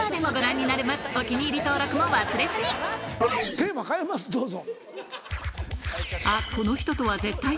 テーマ変えますどうぞ。